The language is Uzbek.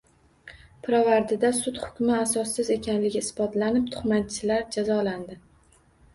Pirovardida sud hukmi asossiz ekanligi isbotlanib, tuhmatchilar jazolandi